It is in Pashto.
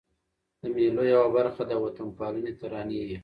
د مېلو یوه برخه د وطن پالني ترانې يي.